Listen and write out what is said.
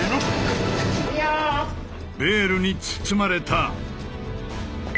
ベールに包まれた。